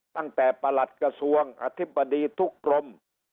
ตั้งแต่ประหลัดกระทรวงอธิบดีทุกกรม